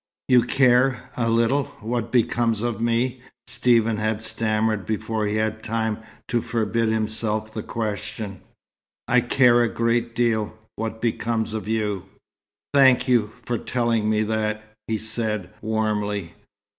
"You care a little what becomes of me?" Stephen had stammered before he had time to forbid himself the question. "I care a great deal what becomes of you." "Thank you for telling me that," he said, warmly.